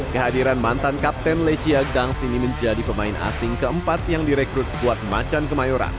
kehadiran mantan kapten lecia gangs ini menjadi pemain asing keempat yang direkrut squad macan kemayoran